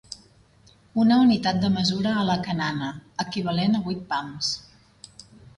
Una unitat de mesura a la canana, equivalent a vuit pams.